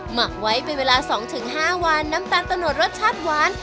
หมักไว้เป็นเวลาสองถึงห้าวันน้ำตาลตาโณดรสชาติวาน